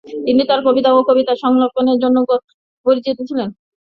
তিনি তার কবিতা ও কবিতা সংকলনের জন্য পরিচিত ছিলেন।